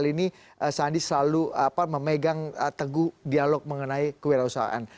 ini sandi selalu memegang teguh dialog mengenai kewirausahaan